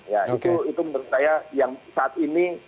ya itu menurut saya yang saat ini